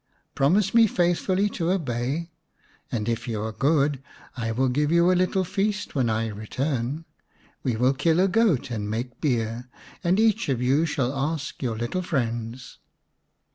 Promise me faithfully to obey. If you are good I will give you all a little feast when I return ; we will kill a goat and make beer, and each of you shall ask your little friends."